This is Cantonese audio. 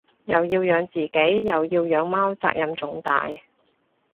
又要養自己又要養貓責任重大